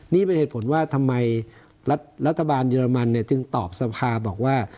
นี่เป็นเหตุผลว่าทำไมรัฐบาลเยอรมันจึงตอบสภาบอกว่า